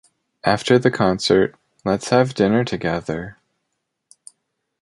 After the concert, let's have dinner together.